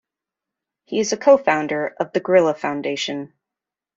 He is a co-founder of The Gorilla Foundation.